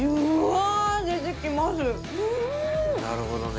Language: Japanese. なるほどね。